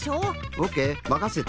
オッケーまかせて！